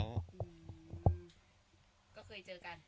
ก็เคยเจอกัน